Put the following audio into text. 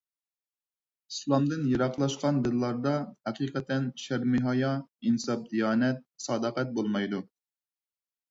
ئىسلامدىن يىراقلاشقان دىللاردا ھەقىقەتەن شەرمى-ھايا، ئىنساپ-دىيانەت، ساداقەت بولمايدۇ.